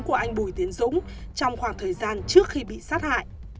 của anh bùi tiến dũng trong khoảng thời gian trước khi bị sát hại